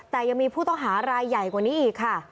แต่ยังมีผู้ต้องหารายใหญ่กว่านี้อีกค่ะ